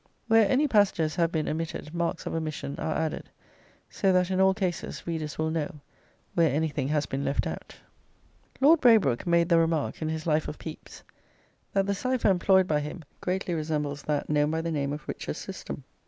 Where any passages have been omitted marks of omission are added, so that in all cases readers will know where anything has been left out. Lord Braybrooke made the remark in his "Life of Pepys," that "the cipher employed by him greatly resembles that known by the name of 'Rich's system.'"